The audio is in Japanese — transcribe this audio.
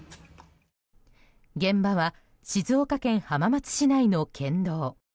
現場は静岡県浜松市内の県道。